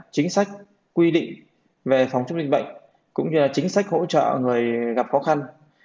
chính sách quy định về phòng chống dịch bệnh cũng như là chính sách hỗ trợ người gặp khó khăn